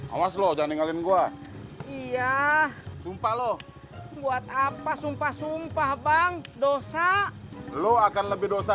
awas lo jangan tinggalin gue iya sumpah lo buat apa sumpah sumpah bang dosa lo akan lebih dosa